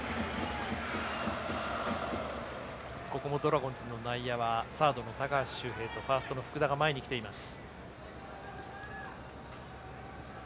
ここもドラゴンズの内野はサードの高橋周平とファーストの福田が前に来ています。